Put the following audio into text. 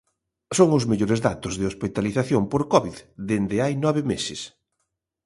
Son os mellores datos de hospitalización por covid dende hai nove meses.